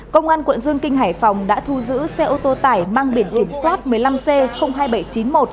công an quận dương kinh hải phòng đã thu giữ xe ô tô tải mang biển kiểm soát một mươi năm c hai nghìn bảy trăm chín mươi một